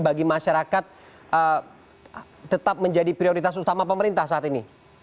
bagi masyarakat tetap menjadi prioritas utama pemerintah saat ini